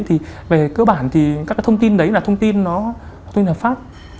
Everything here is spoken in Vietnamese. thì về cơ bản thì các cái thông tin đấy là thông tin nó tương hợp pháp